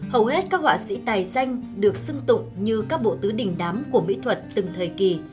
hầu hết các họa sĩ tài danh được xưng tụng như các bộ tứ đình đám của mỹ thuật từng thời kỳ